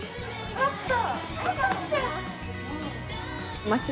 あった。